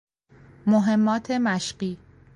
مهمات مشقی